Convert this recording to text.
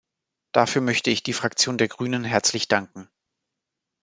Dafür möchte die Fraktion der Grünen herzlich danken.